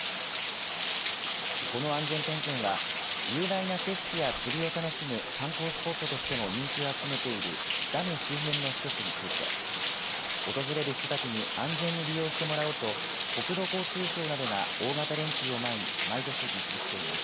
この安全点検は雄大な景色や釣りを楽しむ観光スポットとしても人気を集めているダム周辺の施設について訪れる人たちに安全に利用してもらおうと国土交通省などが大型連休を前に毎年実施しています。